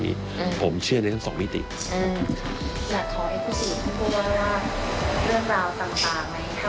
แล้วก็เหมือนกันว่าเรามองไปแล้วรู้สึกว่า